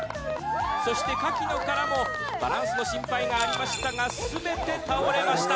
そしてカキの殻もバランスの心配がありましたがすべて倒れました。